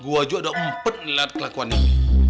gue aja udah empet liat kelakuan mie